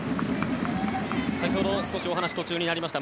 先ほど少しお話が途中になりました。